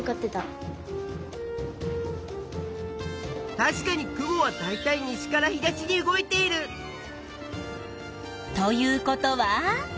たしかに雲はだいたい西から東に動いている！ということは？